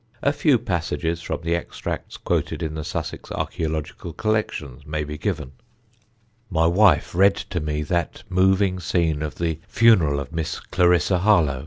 A few passages from the extracts quoted in the Sussex Archæological Collections may be given: "My wife read to me that moving scene of the funeral of Miss Clarissa Harlow.